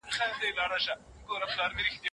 پاته نور کتابونه چاپي دي.